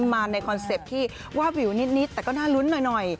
มาในคอนเซ็ปต์ที่วาบวิวนิดแต่ก็น่าลุ้นหน่อย